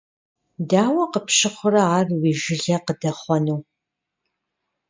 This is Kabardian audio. Дауэ къыпщыхъурэ ар уи жылэ къыдэхъуэну.